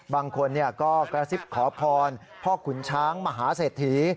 บางคนก็กระซิบขอพรพ่อขุนช้างมหาเศรษฐี